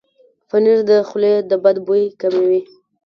پنېر د خولې د بد بوي کموي.